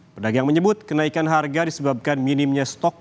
pedagang menyebut kenaikan harga disebabkan minimnya stok